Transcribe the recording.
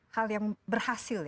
hal yang berhasil